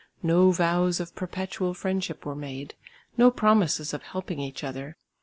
No vows of perpetual friendship were made, no promises of helping each other.